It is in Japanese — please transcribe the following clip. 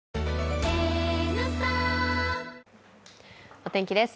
お天気です。